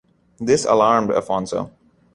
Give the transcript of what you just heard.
This alarmed Afonso.